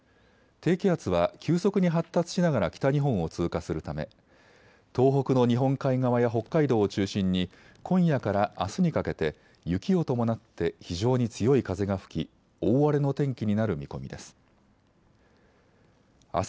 低気圧は急速に発達しながら北日本を通過するため、東北の日本海側や北海道を中心に今夜からあすにかけて雪を伴って非常に強い風が吹き、大荒れの天気になる見込みです。